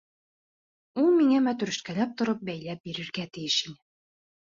Ул миңә мәтрүшкәләп тороп бәйләп бирергә тейеш ине.